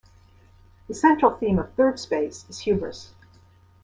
The central theme of "Thirdspace" is hubris.